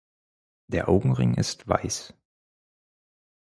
Der Augenring ist weiß.